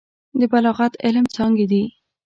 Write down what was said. د بلاغت علم څانګې دي.